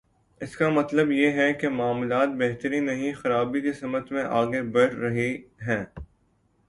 اس کا مطلب یہ ہے کہ معاملات بہتری نہیں، خرابی کی سمت میں آگے بڑھ رہے ہیں۔